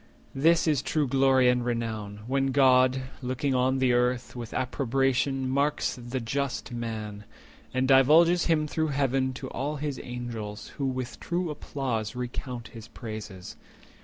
This is true glory and renown—when God, 60 Looking on the Earth, with approbation marks The just man, and divulges him through Heaven To all his Angels, who with true applause Recount his praises.